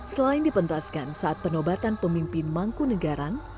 selain dipentaskan saat penobatan pemimpin mangku negara